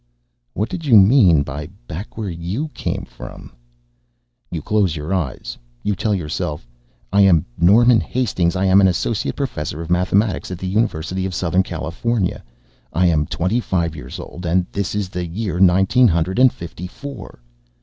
What did you mean by back where you came from? You close your eyes. You tell yourself: _I am Norman Hastings. I am an associate professor of mathematics at the University of Southern California. I am twenty five years old, and this is the year nineteen hundred and fifty four.